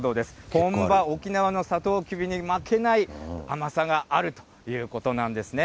本場、沖縄のさとうきびに負けない甘さがあるということなんですね。